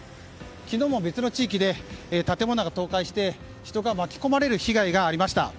昨日も別の地域で建物が倒壊して、人が巻き込まれる被害がありました。